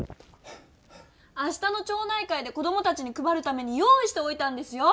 あしたの町内会で子どもたちにくばるために用いしておいたんですよ！